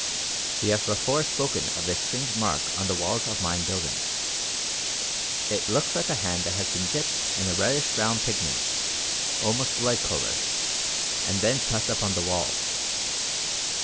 We have before spoken of this strange mark on the walls of Mayan buildings. It looks like a hand that has been dipped in a reddish brown pigment, almost blood colour, and then pressed upon the wall.